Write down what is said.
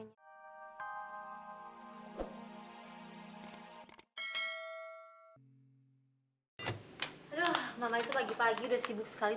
aduh mama itu pagi pagi udah sibuk sekali